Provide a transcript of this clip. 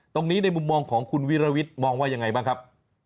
ตรงนี้ในมุมมองของคุณวิรวิทย์มองว่ายังไงบ้างครับ